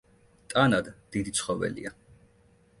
ტანად დიდი ცხოველია.